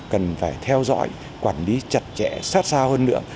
cần phải theo dõi quản lý chặt chẽ sát sao hơn nữa